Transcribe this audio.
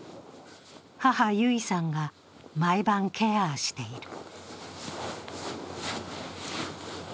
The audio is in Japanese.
母・結衣さんが毎晩、ケアしている。